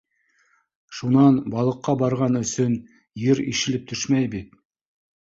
— Шунан балыҡҡа барған өсөн ер ишелеп төшмәй бит.